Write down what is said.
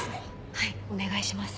はいお願いします。